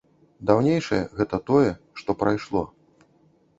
Даўнейшае гэта тое, што прайшло.